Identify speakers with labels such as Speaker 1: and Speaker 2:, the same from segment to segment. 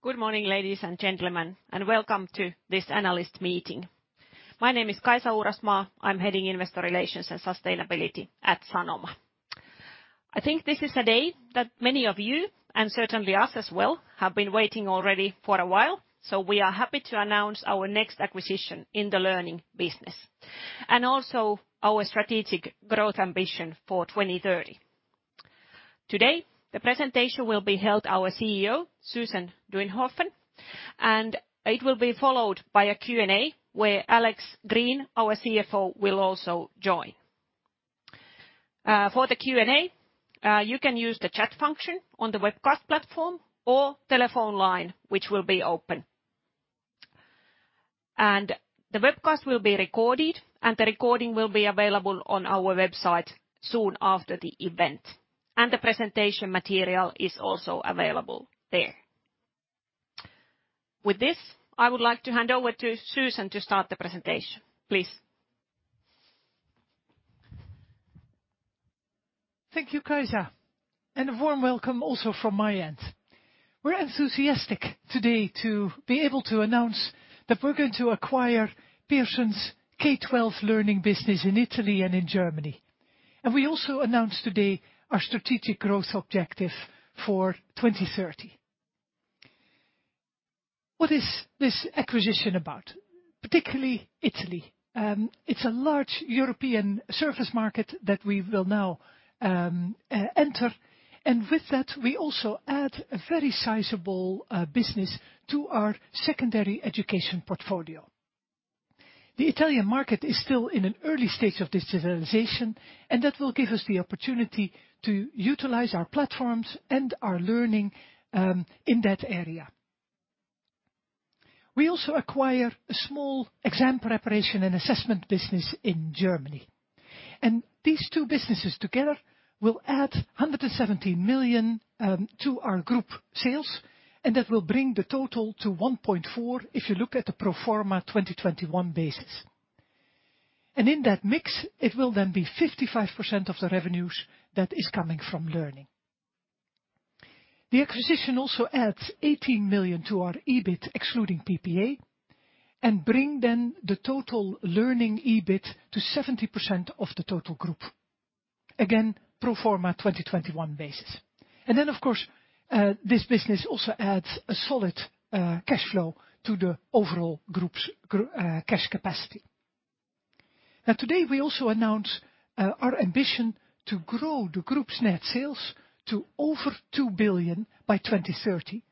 Speaker 1: Good morning, ladies and gentlemen, and welcome to this analyst meeting. My name is Kaisa Uurasmaa. I'm heading Investor Relations and Sustainability at Sanoma. I think this is a day that many of you, and certainly us as well, have been waiting already for a while. We are happy to announce our next acquisition in the learning business, and also our strategic growth ambition for 2030. Today, the presentation will be held our CEO, Susan Duinhoven, and it will be followed by a Q&A where Alex Green, our CFO, will also join. For the Q&A, you can use the chat function on the webcast platform or telephone line, which will be open. The webcast will be recorded, and the recording will be available on our website soon after the event. The presentation material is also available there. With this, I would like to hand over to Susan to start the presentation, please.
Speaker 2: Thank you, Kaisa. A warm welcome also from my end. We're enthusiastic today to be able to announce that we're going to acquire Pearson's K-12 learning business in Italy and in Germany. We also announce today our strategic growth objective for 2030. What is this acquisition about? Particularly Italy. It's a large European service market that we will now enter. With that, we also add a very sizable business to our secondary education portfolio. The Italian market is still in an early stage of digitalization, and that will give us the opportunity to utilize our platforms and our learning in that area. We also acquire a small exam preparation and assessment business in Germany. These two businesses together will add 117 million to our group sales, and that will bring the total to 1.4 billion if you look at the pro forma 2021 basis. In that mix, it will then be 55% of the revenues that is coming from learning. The acquisition also adds 18 million to our EBIT, excluding PPA, and bring then the total learning EBIT to 70% of the total group. Again, pro forma 2021 basis. Of course, this business also adds a solid cash flow to the overall group's cash capacity. Today we also announce our ambition to grow the group's net sales to over 2 billion by 2030,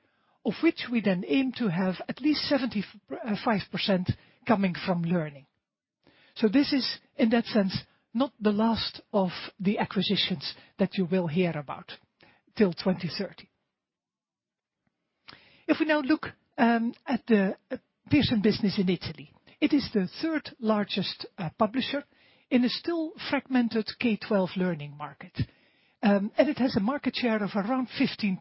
Speaker 2: of which we then aim to have at least 75% coming from learning. This is, in that sense, not the last of the acquisitions that you will hear about till 2030. If we now look at the Pearson business in Italy, it is the third largest publisher in a still fragmented K-12 learning market. It has a market share of around 15%.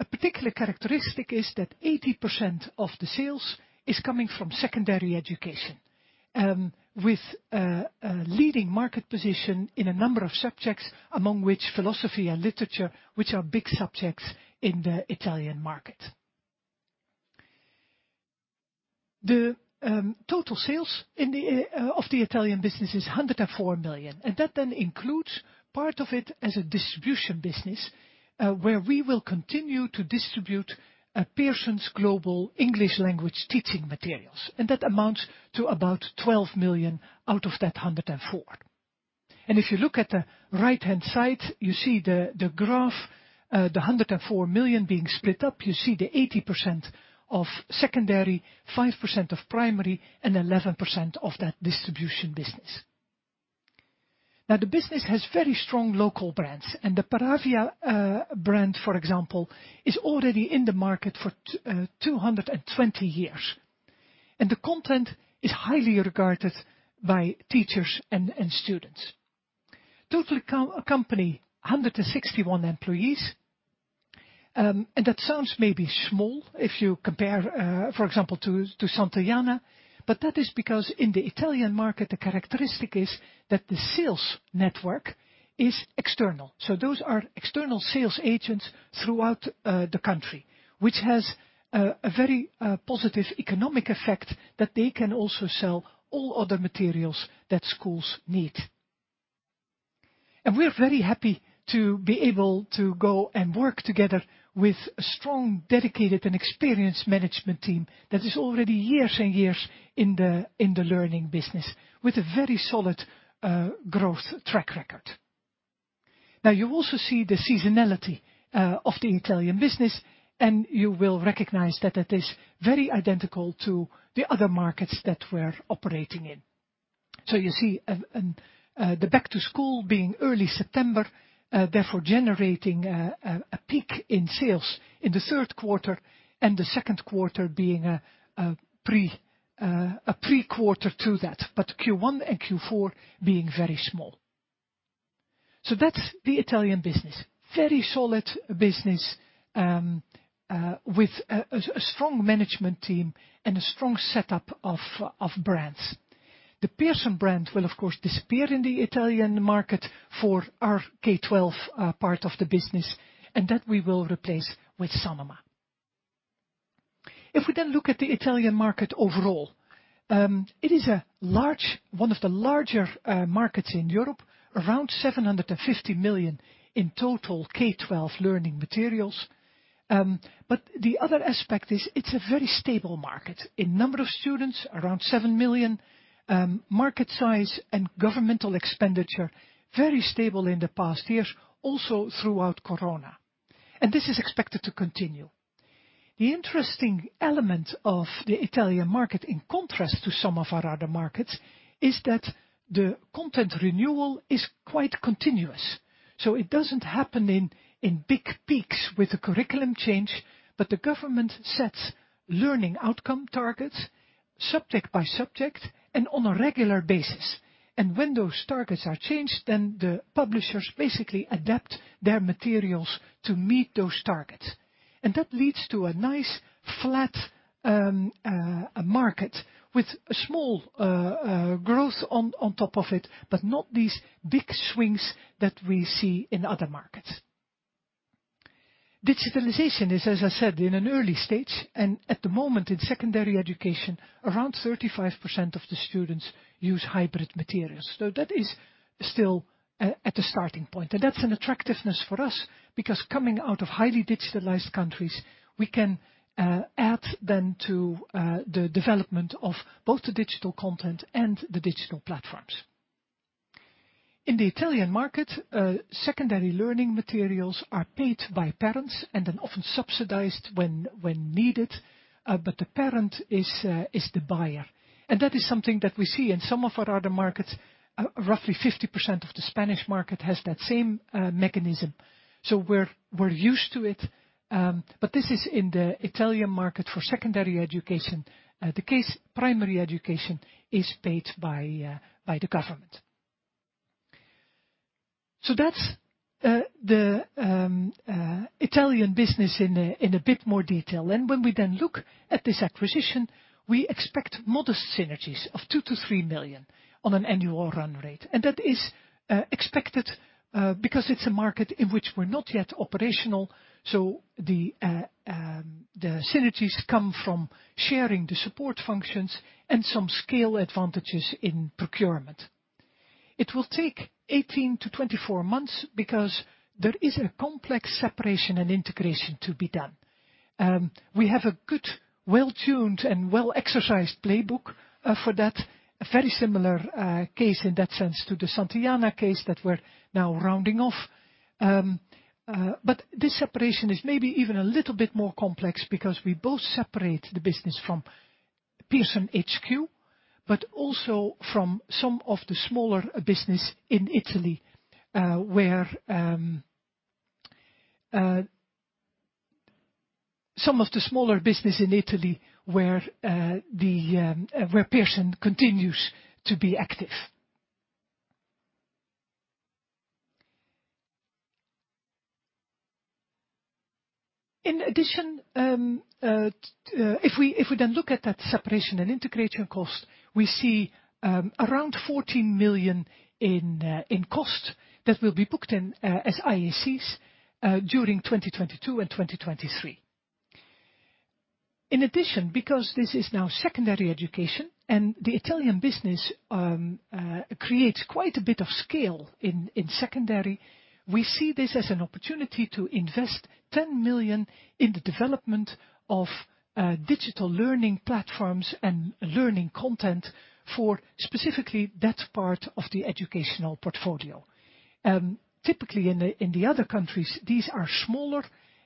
Speaker 2: A particular characteristic is that 80% of the sales is coming from secondary education, with a leading market position in a number of subjects, among which philosophy and literature, which are big subjects in the Italian market. The total sales of the Italian business is 104 million, and that then includes part of it as a distribution business, where we will continue to distribute Pearson's global English language teaching materials, and that amounts to about 12 million out of that 104 million. If you look at the right-hand side, you see the graph, the 104 million being split up. You see the 80% of secondary, 5% of primary, and 11% of that distribution business. Now, the business has very strong local brands, and the Paravia brand, for example, is already in the market for 220 years. The content is highly regarded by teachers and students. Total company, 161 employees. That sounds maybe small if you compare, for example, to Santillana, but that is because in the Italian market, the characteristic is that the sales network is external. Those are external sales agents throughout the country, which has a very positive economic effect that they can also sell all other materials that schools need. We're very happy to be able to go and work together with a strong, dedicated, and experienced management team that is already years and years in the learning business, with a very solid growth track record. Now, you also see the seasonality of the Italian business, and you will recognize that it is very identical to the other markets that we're operating in. You see the back to school being early September, therefore generating a peak in sales in the Q3, and the Q2 being a pre-quarter to that. Q1 and Q4 being very small. That's the Italian business. Very solid business, with a strong management team and a strong setup of brands. The Pearson brand will of course disappear in the Italian market for our K-12 part of the business, and that we will replace with Sanoma. If we then look at the Italian market overall, it is a large one of the larger markets in Europe, around 750 million in total K-12 learning materials. The other aspect is it's a very stable market. In number of students, around seven million. Market size and governmental expenditure, very stable in the past years, also throughout COVID. This is expected to continue. The interesting element of the Italian market, in contrast to some of our other markets, is that the content renewal is quite continuous. It doesn't happen in big peaks with a curriculum change, but the government sets learning outcome targets subject by subject and on a regular basis. When those targets are changed, then the publishers basically adapt their materials to meet those targets. That leads to a nice flat market with a small growth on top of it, but not these big swings that we see in other markets. Digitalization is, as I said, in an early stage, and at the moment in secondary education, around 35% of the students use hybrid materials. That is still at the starting point. That's an attractiveness for us because coming out of highly digitalized countries, we can add then to the development of both the digital content and the digital platforms. In the Italian market, secondary learning materials are paid by parents and then often subsidized when needed, but the parent is the buyer. That is something that we see in some of our other markets. Roughly 50% of the Spanish market has that same mechanism. We're used to it, but this is in the Italian market for secondary education. Primary education is paid by the government. That's the Italian business in a bit more detail. When we then look at this acquisition, we expect modest synergies of 2 million-3 million on an annual run rate. That is expected because it's a market in which we're not yet operational, so the synergies come from sharing the support functions and some scale advantages in procurement. It will take 18-24 months because there is a complex separation and integration to be done. We have a good, well-tuned and well-exercised playbook for that. A very similar case in that sense to the Santillana case that we're now rounding off. This separation is maybe even a little bit more complex because we both separate the business from Pearson HQ, but also from some of the smaller business in Italy where Pearson continues to be active. In addition, if we then look at that separation and integration cost, we see around 14 million in cost that will be booked in as IACs during 2022 and 2023. In addition, because this is now secondary education and the Italian business creates quite a bit of scale in secondary, we see this as an opportunity to invest 10 million in the development of digital learning platforms and learning content for specifically that part of the educational portfolio. Typically in the other countries, these are smaller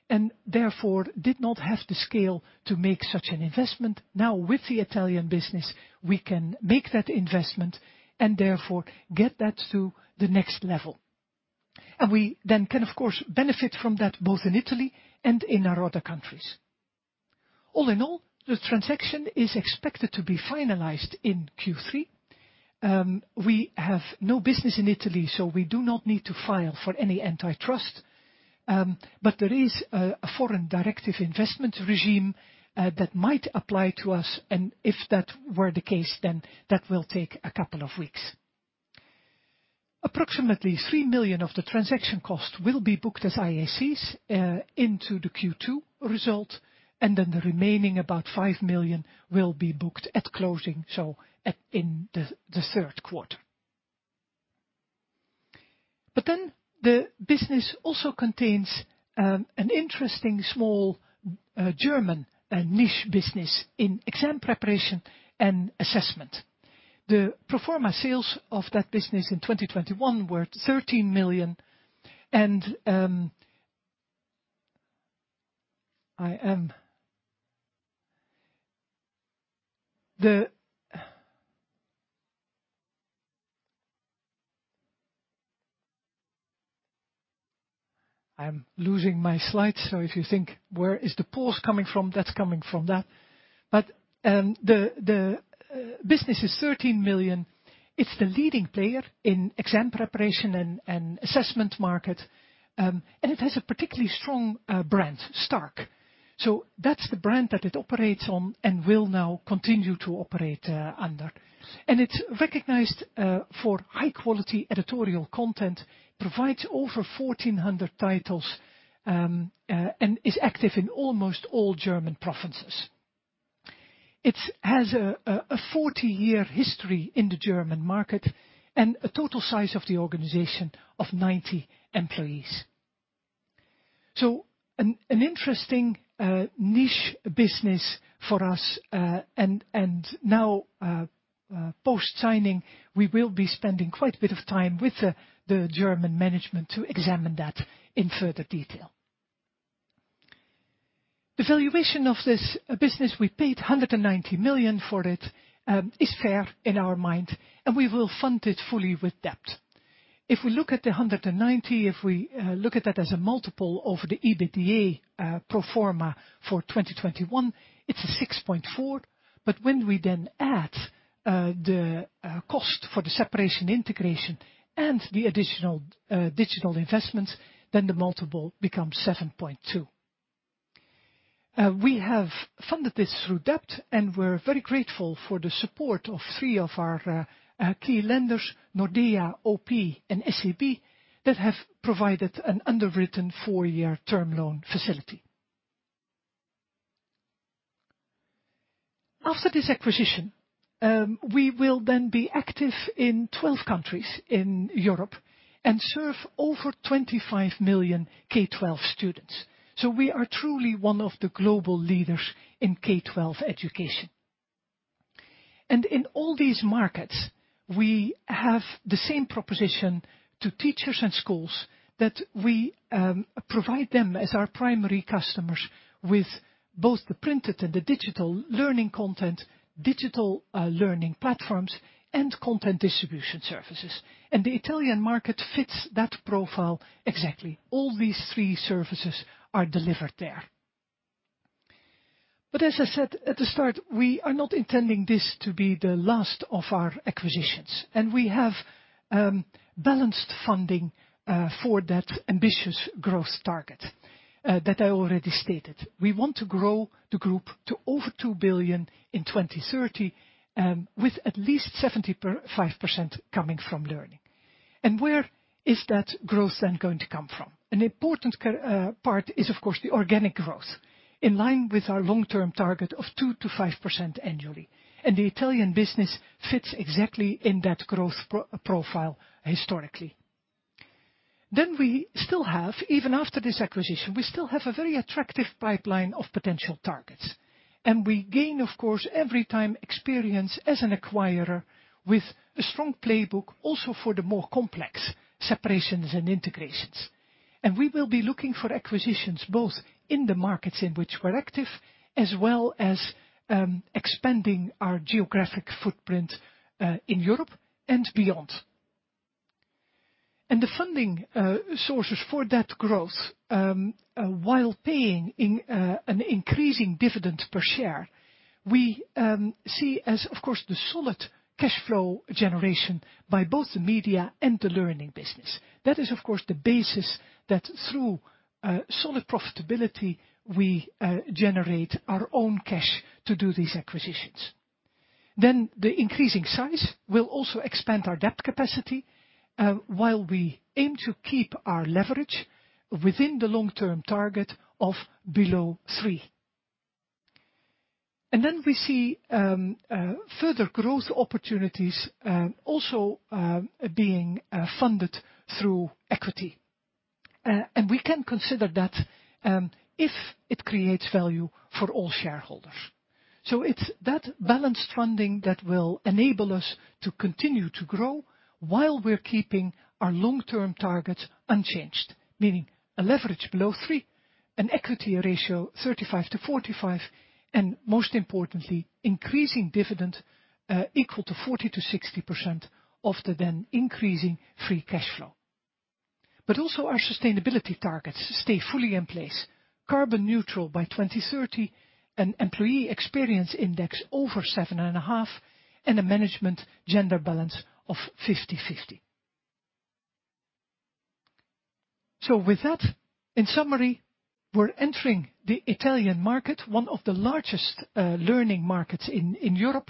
Speaker 2: and therefore did not have the scale to make such an investment. Now with the Italian business, we can make that investment and therefore get that to the next level. We then can, of course, benefit from that both in Italy and in our other countries. All in all, the transaction is expected to be finalized in Q3. We have no business in Italy, so we do not need to file for any antitrust. There is a foreign direct investment regime that might apply to us, and if that were the case, then that will take a couple of weeks. Approximately 3 million of the transaction costs will be booked as IACs into the Q2 result, and then the remaining about 5 million will be booked at closing, in the Q3. The business also contains an interesting small German niche business in exam preparation and assessment. The pro forma sales of that business in 2021 were 13 million, and I am. The. I'm losing my slides. If you think, where is the pause coming from? That's coming from that. The business is 13 million. It's the leading player in exam preparation and assessment market. And it has a particularly strong brand, Stark. That's the brand that it operates on and will now continue to operate under. It's recognized for high quality editorial content, provides over 1,400 titles, and is active in almost all German provinces. It has a 40-year history in the German market and a total size of the organization of 90 employees. Interesting niche business for us. Post-signing, we will be spending quite a bit of time with the German management to examine that in further detail. The valuation of this business, we paid 190 million for it, is fair in our mind, and we will fund it fully with debt. If we look at 190 as a multiple of the EBITDA pro forma for 2021, it's 6.4x. When we add the cost for the separation integration and the additional digital investments, the multiple becomes 7.2x. We have funded this through debt, and we're very grateful for the support of three of our key lenders, Nordea, OP, and SEB, that have provided an underwritten four-year term loan facility. After this acquisition, we will then be active in 12 countries in Europe and serve over 25 million K-12 students. We are truly one of the global leaders in K-12 education. In all these markets, we have the same proposition to teachers and schools that we provide them as our primary customers with both the printed and the digital learning content, digital learning platforms, and content distribution services. The Italian market fits that profile exactly. All these three services are delivered there. As I said at the start, we are not intending this to be the last of our acquisitions, and we have balanced funding for that ambitious growth target that I already stated. We want to grow the group to over 2 billion in 2030, with at least 75% coming from learning. Where is that growth then going to come from? An important part is of course the organic growth in line with our long-term target of 2%-5% annually, and the Italian business fits exactly in that growth profile historically. We still have, even after this acquisition, we still have a very attractive pipeline of potential targets, and we gain, of course, every time experience as an acquirer with a strong playbook also for the more complex separations and integrations. We will be looking for acquisitions both in the markets in which we're active, as well as expanding our geographic footprint in Europe and beyond. The funding sources for that growth, while paying an increasing dividend per share, we see as of course the solid cash flow generation by both the media and the learning business. That is, of course, the basis that through solid profitability, we generate our own cash to do these acquisitions. The increasing size will also expand our debt capacity, while we aim to keep our leverage within the long-term target of below three. We see further growth opportunities also being funded through equity. We can consider that, if it creates value for all shareholders. It's that balanced funding that will enable us to continue to grow while we're keeping our long-term targets unchanged, meaning a leverage below three, an equity ratio 35%-45%, and most importantly, increasing dividend equal to 40%-60% of the then increasing free cash flow. Our sustainability targets stay fully in place, carbon neutral by 2030, an employee experience index over 7.5, and a management gender balance of 50-50. With that, in summary, we're entering the Italian market, one of the largest learning markets in Europe.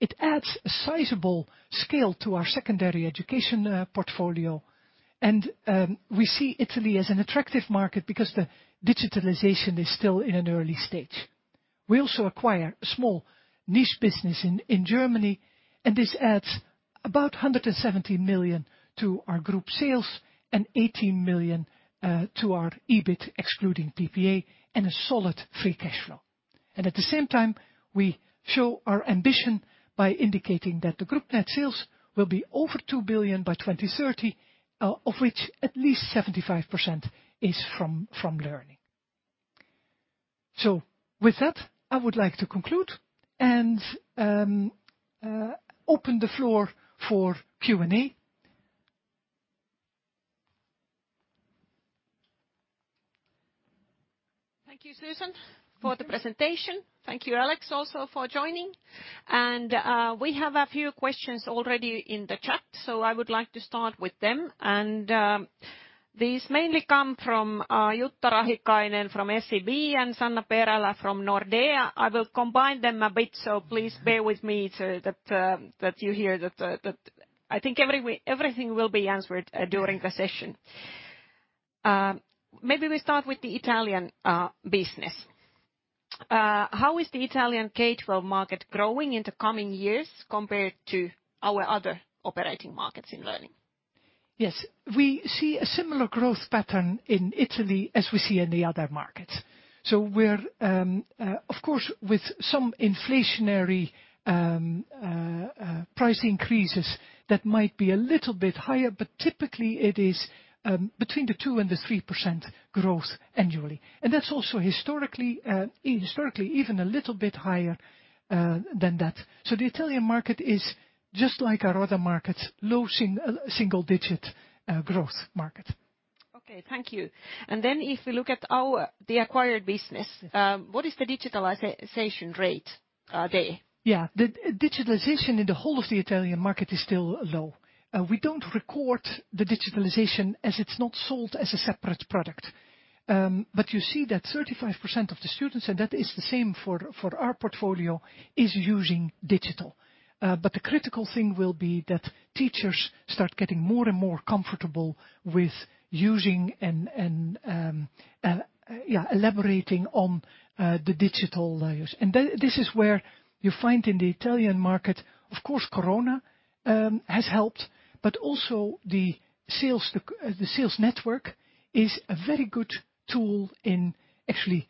Speaker 2: It adds a sizable scale to our secondary education portfolio. We see Italy as an attractive market because the digitalization is still in an early stage. We also acquire a small niche business in Germany, and this adds about 170 million to our group sales and 18 million to our EBIT, excluding D&A, and a solid free cash flow. At the same time, we show our ambition by indicating that the group net sales will be over 2 billion by 2030, of which at least 75% is from learning. With that, I would like to conclude and open the floor for Q&A.
Speaker 1: Thank you, Susan, for the presentation. Thank you, Alex, also for joining. We have a few questions already in the chat, so I would like to start with them. These mainly come from Jutta Rahikainen from SEB and Sanna Perälä from Nordea. I will combine them a bit, so please bear with me that everything will be answered during the session. Maybe we start with the Italian business. How is the Italian K-12 market growing in the coming years compared to our other operating markets in learning?
Speaker 2: Yes. We see a similar growth pattern in Italy as we see in the other markets. We're of course with some inflationary price increases that might be a little bit higher, but typically it is between 2%-3% growth annually. That's also historically even a little bit higher than that. The Italian market is just like our other markets, low single digit growth market.
Speaker 1: Okay, thank you. If we look at the acquired business, what is the digitalization rate there?
Speaker 2: Yeah. The digitalization in the whole of the Italian market is still low. We don't record the digitalization as it's not sold as a separate product. But you see that 35% of the students, and that is the same for our portfolio, is using digital. But the critical thing will be that teachers start getting more and more comfortable with using and elaborating on the digital layers. This is where you find in the Italian market, of course, COVID has helped, but also the sales network is a very good tool in actually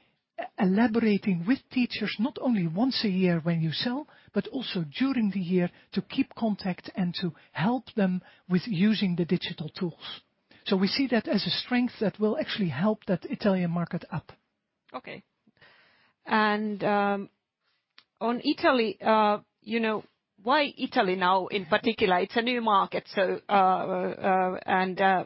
Speaker 2: elaborating with teachers, not only once a year when you sell, but also during the year to keep contact and to help them with using the digital tools. We see that as a strength that will actually help that Italian market up.
Speaker 1: Okay. On Italy, you know, why Italy now in particular? It's a new market, so how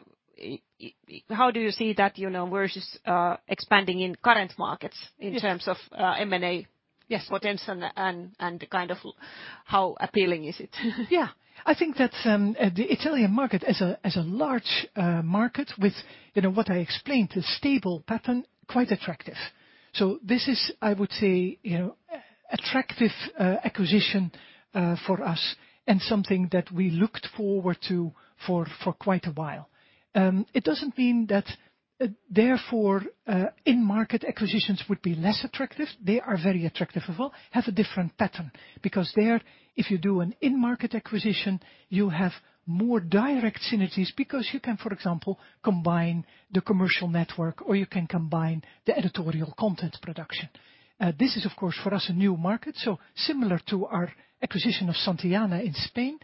Speaker 1: do you see that, you know, versus expanding in current markets in terms of M&A.
Speaker 2: Yes.
Speaker 1: Potentials and kind of how appealing is it?
Speaker 2: Yeah. I think that the Italian market as a large market with, you know, what I explained, a stable pattern, quite attractive. This is, I would say, you know, attractive acquisition for us, and something that we looked forward to for quite a while. It doesn't mean that therefore in-market acquisitions would be less attractive. They are very attractive as well, have a different pattern. Because there, if you do an in-market acquisition, you have more direct synergies because you can, for example, combine the commercial network, or you can combine the editorial content production. This is of course for us a new market, so similar to our acquisition of Santillana in Spain,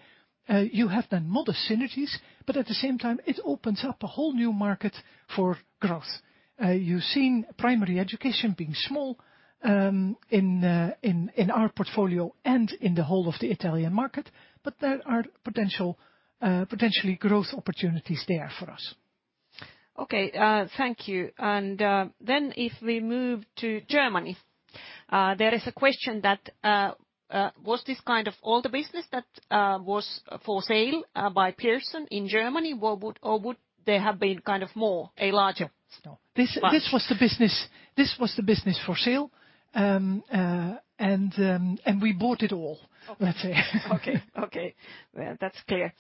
Speaker 2: you have then modest synergies, but at the same time, it opens up a whole new market for growth. You're seeing primary education being small in our portfolio and in the whole of the Italian market, but there are potential growth opportunities there for us.
Speaker 1: Okay, thank you. If we move to Germany, there is a question that was this kind of all the business that was for sale by Pearson in Germany, or would there have been kind of more, a larger
Speaker 2: No.
Speaker 1: Part?
Speaker 2: This was the business for sale. We bought it all, let's say.
Speaker 1: Okay. Well, that's clear.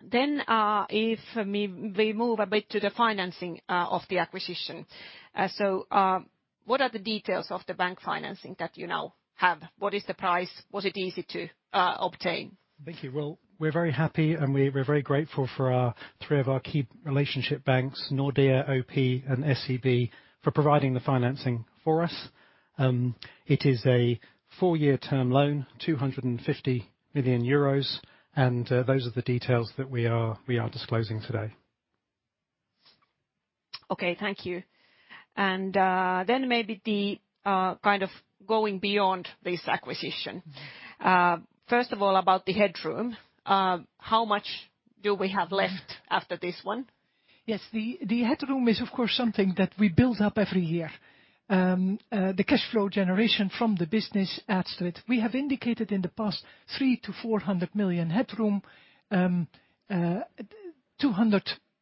Speaker 1: If we move a bit to the financing of the acquisition. What are the details of the bank financing that you now have? What is the price? Was it easy to obtain?
Speaker 3: Thank you. Well, we're very happy, and we're very grateful for our three key relationship banks, Nordea, OP, and SEB, for providing the financing for us. It is a four-year term loan, 250 million euros, and those are the details that we are disclosing today.
Speaker 1: Okay, thank you. Then maybe the kind of going beyond this acquisition. First of all, about the headroom, how much do we have left after this one?
Speaker 2: Yes. The headroom is, of course, something that we build up every year. The cash flow generation from the business adds to it. We have indicated in the past 300-400 million headroom, 200,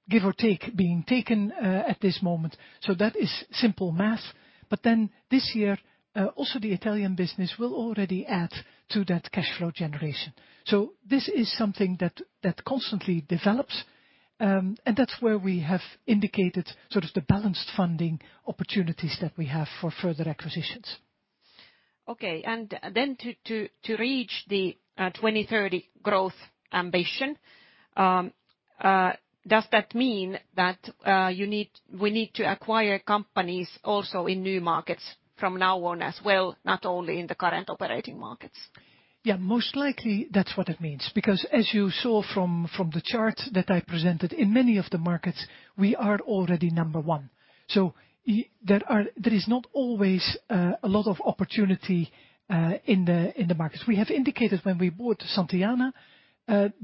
Speaker 2: give or take, being taken at this moment, so that is simple math. This year, also the Italian business will already add to that cash flow generation. This is something that constantly develops, and that's where we have indicated sort of the balanced funding opportunities that we have for further acquisitions.
Speaker 1: Okay. To reach the 2030 growth ambition, does that mean that you need, we need to acquire companies also in new markets from now on as well, not only in the current operating markets?
Speaker 2: Yeah. Most likely, that's what it means. Because as you saw from the chart that I presented, in many of the markets we are already number one. There is not always a lot of opportunity in the markets. We have indicated when we bought Santillana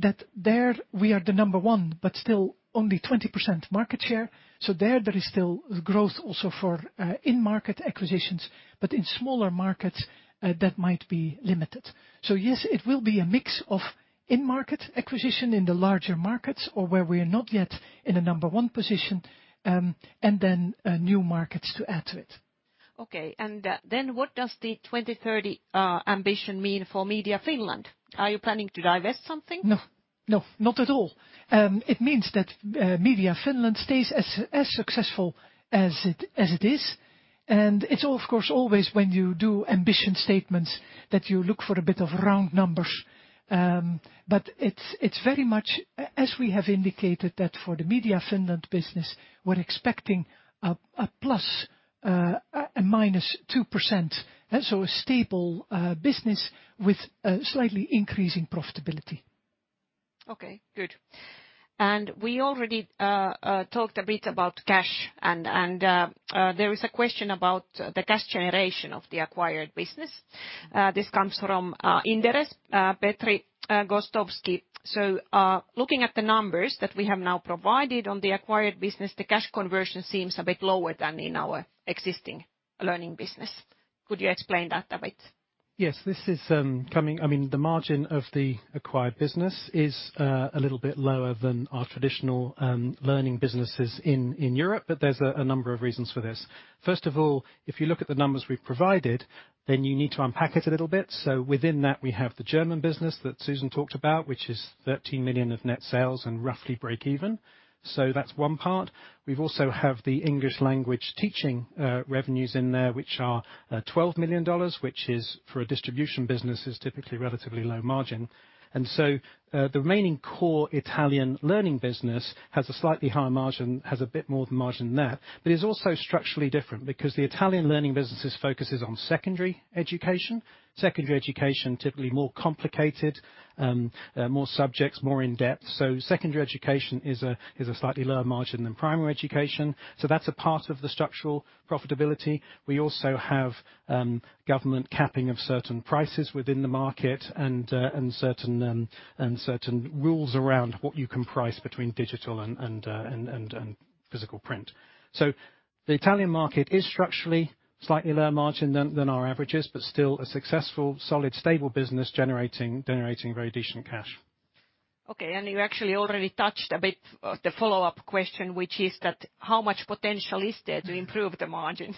Speaker 2: that there we are the number one, but still only 20% market share. There is still growth also for in-market acquisitions, but in smaller markets that might be limited. Yes, it will be a mix of in-market acquisition in the larger markets or where we're not yet in a number one position, and then new markets to add to it.
Speaker 1: What does the 2030 ambition mean for Sanoma Media Finland? Are you planning to divest something?
Speaker 2: No. No, not at all. It means that Media Finland stays as successful as it is. It's of course always when you do ambition statements that you look for a bit of round numbers. It's very much as we have indicated that for the Media Finland business, we're expecting a plus or minus 2%. A stable business with slightly increasing profitability.
Speaker 1: Okay, good. We already talked a bit about cash and there is a question about the cash generation of the acquired business. This comes from Inderes, Petri Gostowski. Looking at the numbers that we have now provided on the acquired business, the cash conversion seems a bit lower than in our existing learning business. Could you explain that a bit?
Speaker 3: Yes, I mean, the margin of the acquired business is a little bit lower than our traditional learning businesses in Europe, but there's a number of reasons for this. First of all, if you look at the numbers we've provided, then you need to unpack it a little bit. Within that, we have the German business that Susan talked about, which is 13 million of net sales and roughly breakeven. That's one part. We also have the English language teaching revenues in there, which are $12 million, which is for a distribution business, is typically relatively low margin. The remaining core Italian learning business has a slightly higher margin, has a bit more margin than that. It's also structurally different because the Italian learning business' focus is on secondary education. Secondary education, typically more complicated, more subjects, more in depth. Secondary education is a slightly lower margin than primary education, so that's a part of the structural profitability. We also have government capping of certain prices within the market and certain rules around what you can price between digital and physical print. The Italian market is structurally slightly lower margin than our averages, but still a successful, solid, stable business generating very decent cash.
Speaker 1: Okay. You actually already touched a bit of the follow-up question, which is that how much potential is there to improve the margins?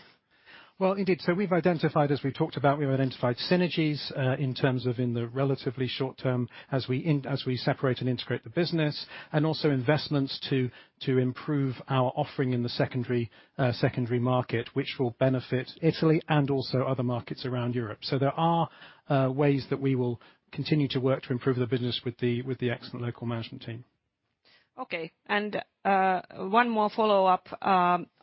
Speaker 3: Well, indeed. We've identified, as we've talked about, synergies in terms of the relatively short term as we separate and integrate the business, and also investments to improve our offering in the secondary market, which will benefit Italy and also other markets around Europe. There are ways that we will continue to work to improve the business with the excellent local management team.
Speaker 1: Okay. One more follow-up.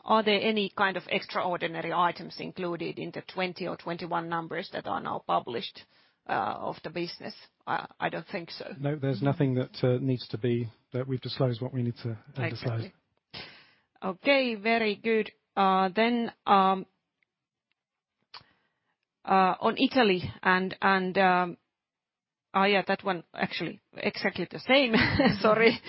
Speaker 1: Are there any kind of extraordinary items included in the 20 or 21 numbers that are now published, of the business? I don't think so.
Speaker 3: No, there's nothing that needs to be that we've disclosed what we need to disclose.
Speaker 1: Exactly. Okay, very good. On Italy. That one actually exactly the same. Sorry.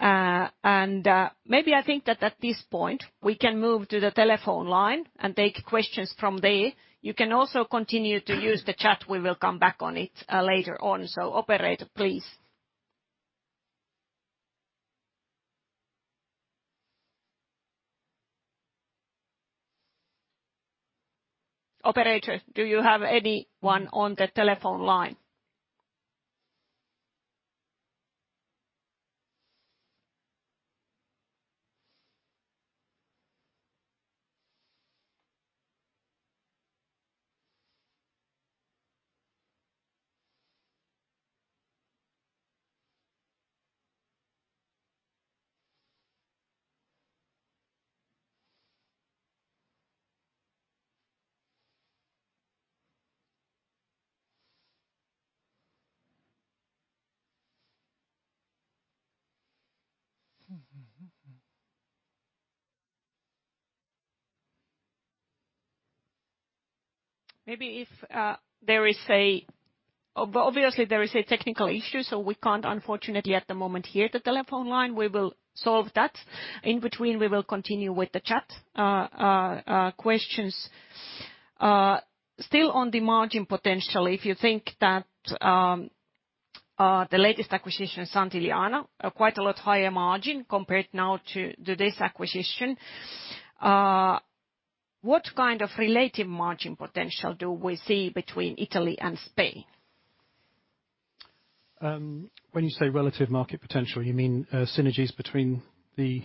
Speaker 1: Maybe I think that at this point we can move to the telephone line and take questions from there. You can also continue to use the chat. We will come back on it, later on. Operator, please. Operator, do you have anyone on the telephone line? Obviously there is a technical issue, so we can't unfortunately at the moment hear the telephone line. We will solve that. In between, we will continue with the chat, questions. Still on the margin potential, if you think that, the latest acquisition, Santillana, quite a lot higher margin compared now to today's acquisition. What kind of relative margin potential do we see between Italy and Spain?
Speaker 3: When you say relative market potential, you mean synergies between the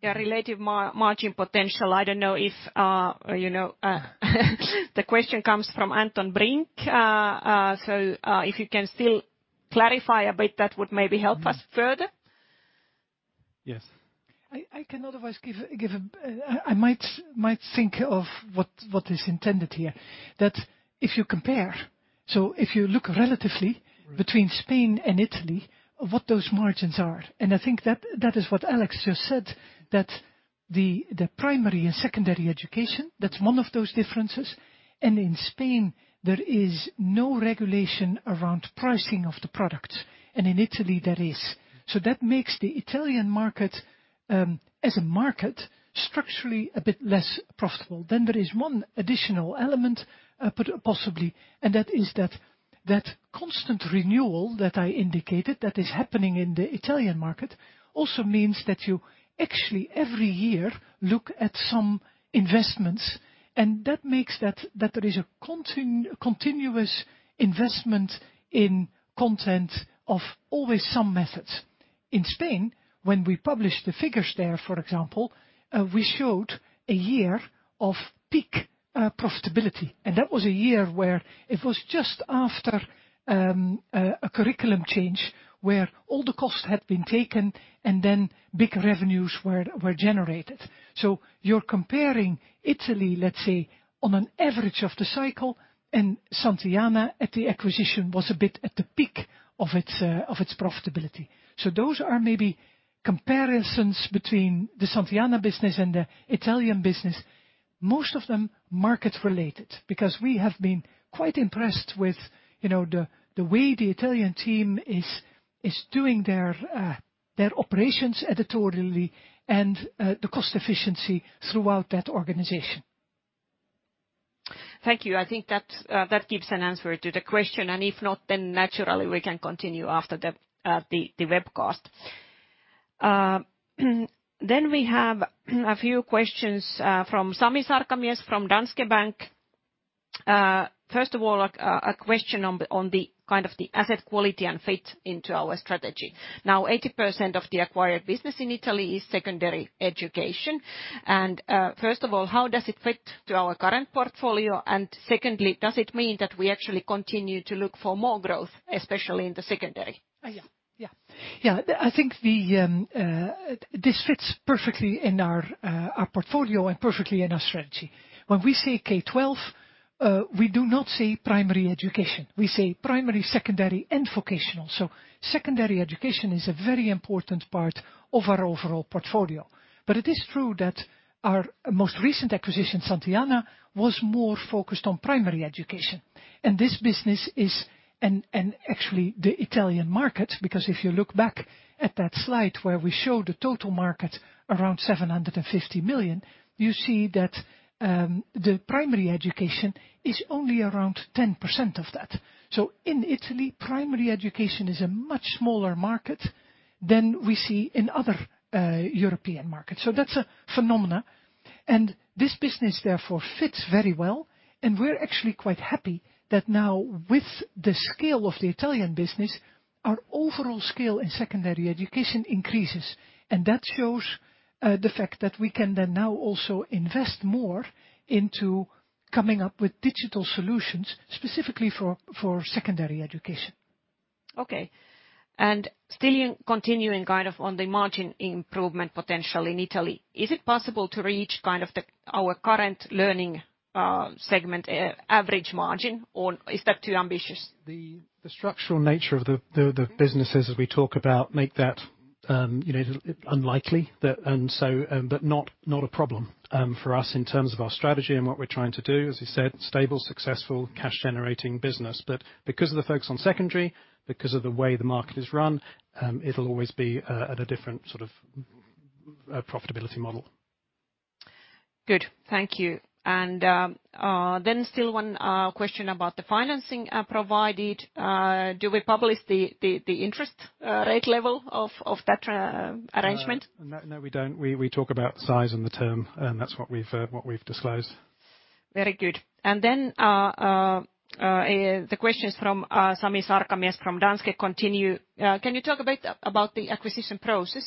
Speaker 1: Yeah, relative margin potential. I don't know if, you know, the question comes from Anton Brink. If you can still clarify a bit, that would maybe help us further.
Speaker 3: Yes.
Speaker 2: I might think of what is intended here, that if you compare, if you look relatively between Spain and Italy, what those margins are, and I think that is what Alex just said, that the primary and secondary education, that's one of those differences. In Spain, there is no regulation around pricing of the product, and in Italy there is. That makes the Italian market as a market structurally a bit less profitable. There is one additional element, but possibly, and that is that constant renewal that I indicated that is happening in the Italian market also means that you actually every year look at some investments. That makes that there is a continuous investment in content of always some methods. In Spain, when we published the figures there, for example, we showed a year of peak profitability. That was a year where it was just after a curriculum change where all the costs had been taken and then big revenues were generated. You're comparing Italy, let's say, on an average of the cycle, and Santillana at the acquisition was a bit at the peak of its profitability. Those are maybe comparisons between the Santillana business and the Italian business. Most of them market related because we have been quite impressed with, you know, the way the Italian team is doing their operations editorially and the cost efficiency throughout that organization.
Speaker 1: Thank you. I think that gives an answer to the question. If not, then naturally we can continue after the webcast. We have a few questions from Sami Sarkamies, from Danske Bank. First of all, a question on the kind of the asset quality and fit into our strategy. Now, 80% of the acquired business in Italy is secondary education. First of all, how does it fit to our current portfolio? Secondly, does it mean that we actually continue to look for more growth, especially in the secondary?
Speaker 2: Yeah, I think this fits perfectly in our portfolio and perfectly in our strategy. When we say K-12, we do not say primary education. We say primary, secondary and vocational. Secondary education is a very important part of our overall portfolio. It is true that our most recent acquisition, Santillana, was more focused on primary education. This business is actually in the Italian market, because if you look back at that slide where we show the total market around 750 million, you see that the primary education is only around 10% of that. In Italy, primary education is a much smaller market than we see in other European markets. That's a phenomenon. This business therefore fits very well. We're actually quite happy that now with the scale of the Italian business, our overall scale in secondary education increases. That shows the fact that we can then now also invest more into coming up with digital solutions specifically for secondary education.
Speaker 1: Okay. Still continuing kind of on the margin improvement potential in Italy. Is it possible to reach kind of the our current learning segment average margin, or is that too ambitious?
Speaker 3: The structural nature of the businesses as we talk about make that, you know, unlikely. That and so but not a problem for us in terms of our strategy and what we're trying to do, as you said, stable, successful, cash generating business. Because of the focus on secondary, because of the way the market is run, it'll always be at a different sort of profitability model.
Speaker 1: Good. Thank you. Still one question about the financing provided. Do we publish the interest rate level of that arrangement?
Speaker 3: No, we don't. We talk about size and the term, and that's what we've disclosed.
Speaker 1: Very good. The questions from Sami Sarkamies from Danske continue. Can you talk a bit about the acquisition process?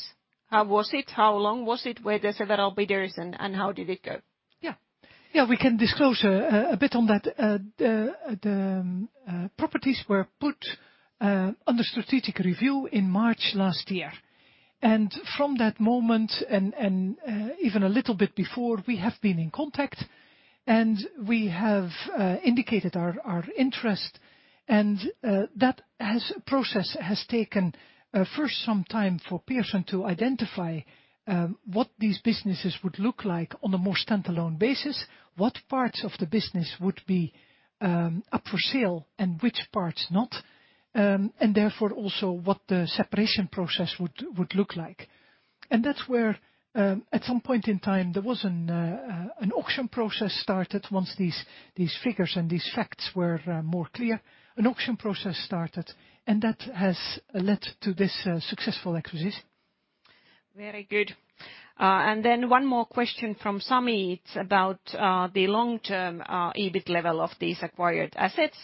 Speaker 1: How was it? How long was it? Were there several bidders, and how did it go?
Speaker 2: Yeah. Yeah, we can disclose a bit on that. The properties were put under strategic review in March last year. From that moment and even a little bit before, we have been in contact, and we have indicated our interest. That process has taken first some time for Pearson to identify what these businesses would look like on a more standalone basis, what parts of the business would be up for sale and which parts not, and therefore also what the separation process would look like. That's where, at some point in time, there was an auction process started once these figures and these facts were more clear, and that has led to this successful acquisition.
Speaker 1: Very good. Then one more question from Sami. It's about the long-term EBIT level of these acquired assets.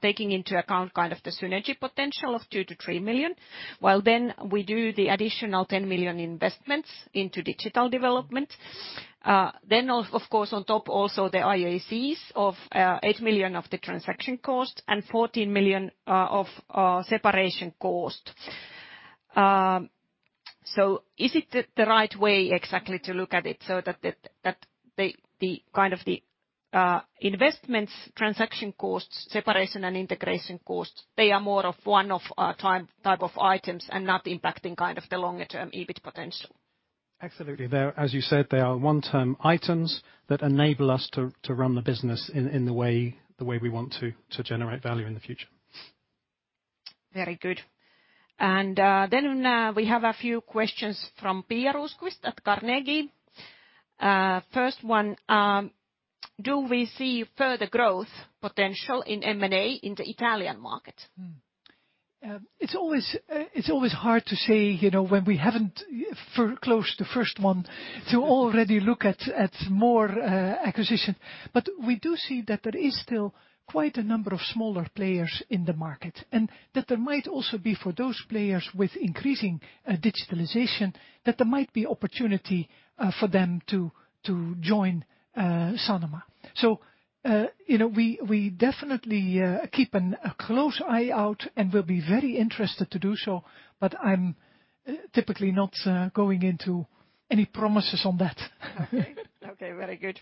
Speaker 1: Taking into account kind of the synergy potential of 2 million-3 million, while then we do the additional 10 million investments into digital development. Then of course, on top also the IACs of 8 million of the transaction cost and 14 million of separation cost. Is it the right way exactly to look at it so that the kind of the investments transaction costs, separation and integration costs, they are more of one-off type of items and not impacting kind of the longer term EBIT potential?
Speaker 2: Absolutely. They're, as you said, one-time items that enable us to run the business in the way we want to generate value in the future.
Speaker 1: Very good. Then we have a few questions from Pia Rosqvist-Heinsalmi at Carnegie. First one, do we see further growth potential in M&A in the Italian market?
Speaker 2: It's always hard to say, you know, when we haven't closed the first one to already look at more acquisition. We do see that there is still quite a number of smaller players in the market, and that there might also be for those players with increasing digitalization, that there might be opportunity for them to join Sanoma. You know, we definitely keep a close eye out, and we'll be very interested to do so, but I'm typically not going into any promises on that.
Speaker 1: Okay. Okay, very good.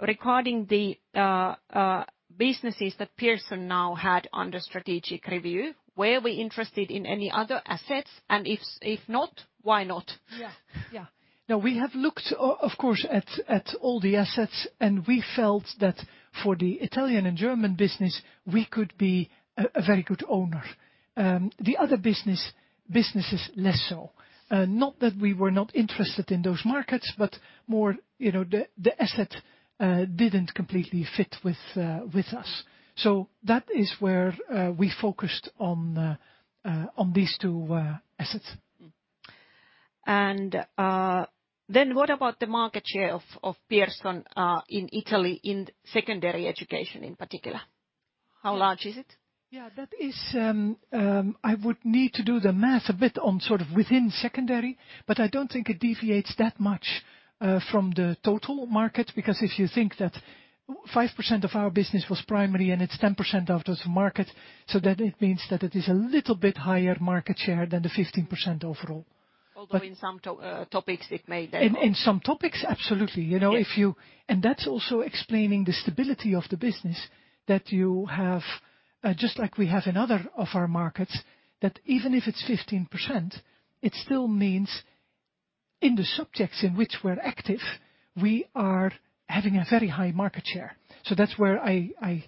Speaker 1: Regarding the businesses that Pearson now had under strategic review, were we interested in any other assets? If not, why not?
Speaker 2: No, we have looked of course at all the assets, and we felt that for the Italian and German business, we could be a very good owner. The other businesses, less so. Not that we were not interested in those markets, but more, you know, the asset didn't completely fit with us. That is where we focused on these two assets.
Speaker 1: What about the market share of Pearson in Italy in secondary education in particular? How large is it?
Speaker 2: Yeah, that is, I would need to do the math a bit on sort of within secondary, but I don't think it deviates that much from the total market. Because if you think that 5% of our business was primary, and it's 10% of the market, so that it means that it is a little bit higher market share than the 15% overall.
Speaker 1: Although in some topics it may vary.
Speaker 2: In some topics, absolutely. You know.
Speaker 1: Yes
Speaker 2: That's also explaining the stability of the business that you have, just like we have in other of our markets, that even if it's 15%, it still means in the subjects in which we're active, we are having a very high market share. That's where I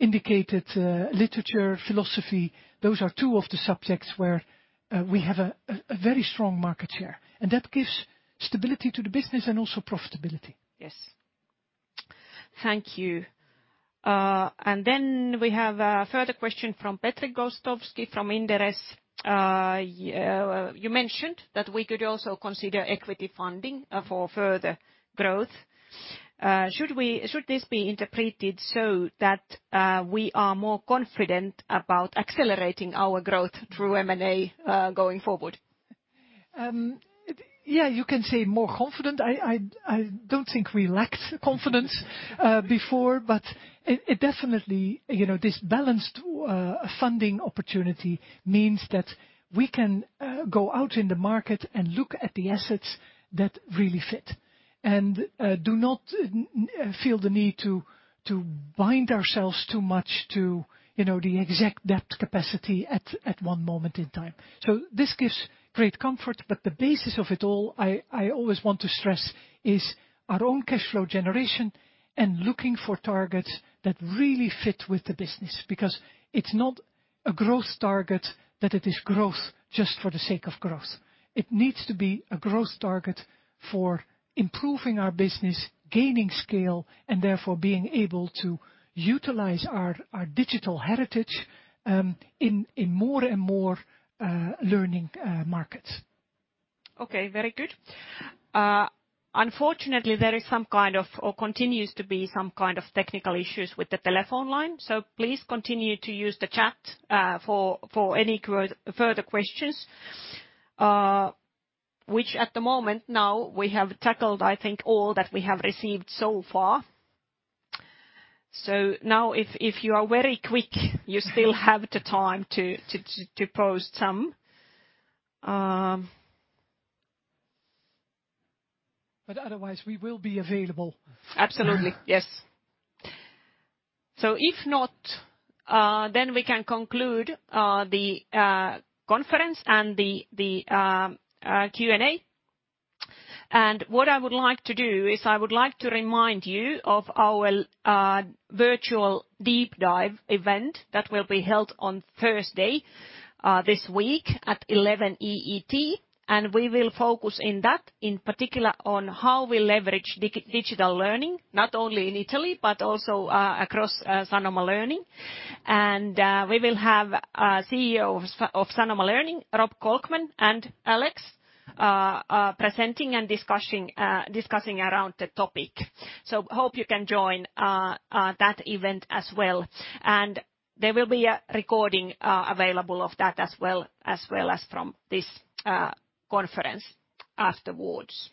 Speaker 2: indicated, literature, philosophy, those are two of the subjects where we have a very strong market share. That gives stability to the business and also profitability.
Speaker 1: Yes. Thank you. We have a further question from Petri Gostowski from Inderes. You mentioned that we could also consider equity funding for further growth. Should this be interpreted so that we are more confident about accelerating our growth through M&A going forward?
Speaker 2: Yeah, you can say more confident. I don't think we lacked confidence before, but it definitely, you know, this balanced funding opportunity means that we can go out in the market and look at the assets that really fit, and do not feel the need to bind ourselves too much to, you know, the exact debt capacity at one moment in time. This gives great comfort, but the basis of it all, I always want to stress, is our own cash flow generation and looking for targets that really fit with the business, because it's not a growth target that it is growth just for the sake of growth. It needs to be a growth target for improving our business, gaining scale, and therefore being able to utilize our digital heritage in more and more learning markets.
Speaker 1: Okay, very good. Unfortunately, there continues to be some kind of technical issues with the telephone line. Please continue to use the chat for any further questions. Which at the moment now we have tackled, I think, all that we have received so far. Now if you are very quick, you still have the time to pose some.
Speaker 2: Otherwise we will be available.
Speaker 1: Absolutely. Yes. If not, then we can conclude the conference and the Q&A. What I would like to do is I would like to remind you of our virtual deep dive event that will be held on Thursday this week at 11 EET, and we will focus in that, in particular, on how we leverage digital learning, not only in Italy but also across Sanoma Learning. We will have our CEO of Sanoma Learning, Rob Kolkman and Alex Green presenting and discussing around the topic. Hope you can join that event as well. There will be a recording available of that as well as from this conference afterwards.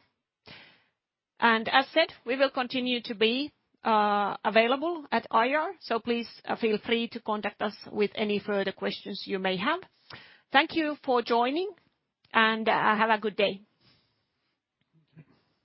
Speaker 1: As said, we will continue to be available at IR, so please feel free to contact us with any further questions you may have. Thank you for joining, and have a good day.
Speaker 2: Thanks.